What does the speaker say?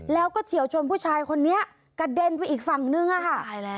แล้วก็เฉียวชนผู้ชายคนนี้กระเด็นไปอีกฝั่งนึงอะค่ะตายแล้ว